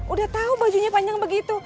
udah tahu bajunya panjang begitu